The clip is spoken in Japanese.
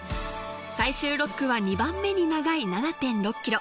最終６区は２番目に長い７．６ｋｍ。